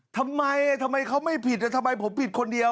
ทำไมเขาไม่ผิดโอ้ทำไมผมผิดคนเดียว